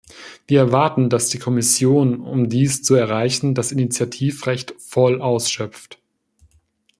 Wir erwarten, dass die Kommission, um dies zu erreichen, das Initiativrecht voll ausschöpft.